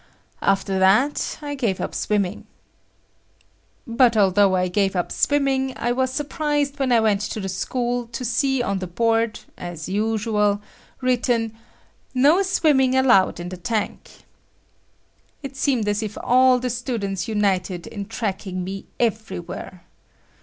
After that I gave up swimming. But although I gave up swimming, I was surprised, when I went to the school, to see on the board, as usual, written: "No swimming allowed in the tank." It seemed as if all the students united in tracking me everywhere.